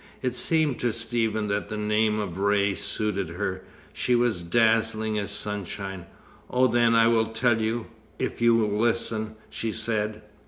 It seemed to Stephen that the name of Ray suited her: she was dazzling as sunshine. "Oh, then, I will tell you if you'll listen," she said.